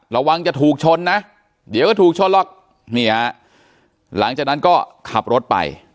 ระวังจะถูกชนนะเดี๋ยวก็ถูกชนหรอกนี่ฮะหลังจากนั้นก็ขับรถไป